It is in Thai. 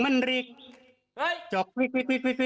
คุณไอ้คุณอยู่ที่ไหน